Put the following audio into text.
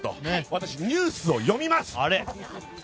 私、ニュースを読みます。